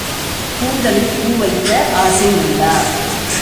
கூந்தலில் பூ வைக்க ஆசை உண்டா?